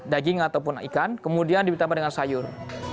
daging ataupun ikan kemudian ditambah dengan sayur